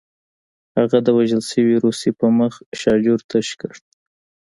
هغه د وژل شوي روسي په مخ شاجور تشه کړه